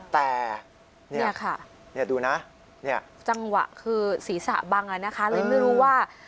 แต่นี่ค่ะดูนะจังหวะคือศีรษะบังนะคะเลยไม่รู้ว่า